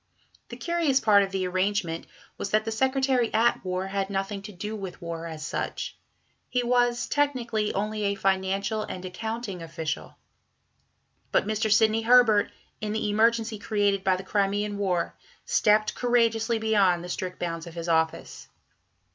The curious part of the arrangement was that the Secretary at War had nothing to do with war, as such; he was, technically, only a financial and accounting official. But Mr. Sidney Herbert, in the emergency created by the Crimean War, stepped courageously beyond the strict bounds of his office.